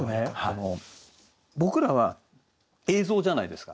僕らは映像じゃないですか。